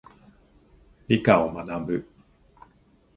理科を学ぶ。